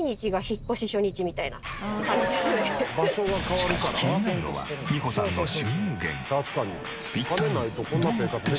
しかし気になるのはみほさんの収入源。